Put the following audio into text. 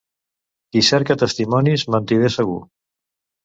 Qui cerca testimonis, mentider segur.